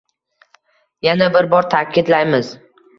Yana bir bor ta’kidlaymiz